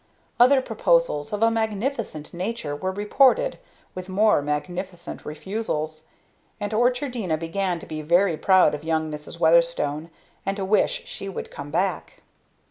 Other proposals, of a magnificent nature, were reported, with more magnificent refusals; and Orchardina began to be very proud of young Mrs. Weatherstone and to wish she would come back.